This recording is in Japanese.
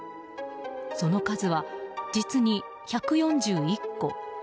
その数は実に１４１個。